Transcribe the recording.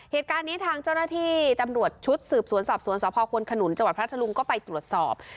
เหตุการณ์นี้ทางเจ้าหน้าที่ตำรวจชุดสืบสวนสอบสวนสพควนขนุนจังหวัดพัทธลุงก็ไปตรวจสอบ